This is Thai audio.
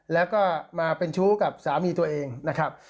แล้วก็มาเป็นชู้กับสามีตัวเองนะครับ